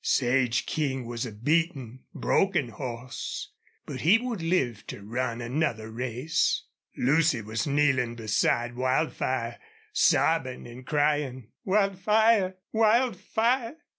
Sage King was a beaten, broken horse, but he would live to run another race. Lucy was kneeling beside Wildfire, sobbing and crying: "Wildfire! Wildfire!"